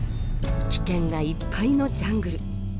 危険がいっぱいのジャングル。